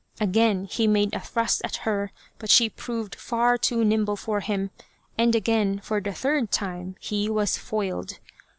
Again he made a thrust at her, but she proved far too nimble for him, and again, for the third time, he was foiled.